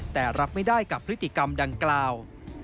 แต่รับไม่ได้กับพฤติกรรมดังกล่าว